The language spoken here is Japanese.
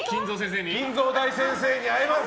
均三大先生に会えます！